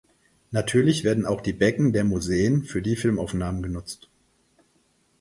Natürlich werden auch die Becken der Museen für die Filmaufnahmen genutzt.